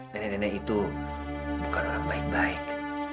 nenek nenek itu bukan orang baik baik